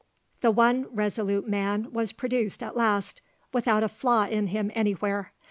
The one resolute Man was produced at last without a flaw in him anywhere.